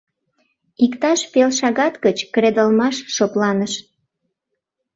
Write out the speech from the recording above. Иктаж пел шагат гыч кредалмаш шыпланыш.